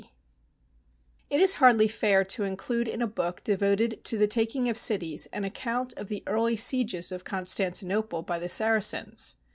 D. IT is hardly fair to include in a book devoted to the taking of cities on account of the early sieges of Constantinople by the Saracens.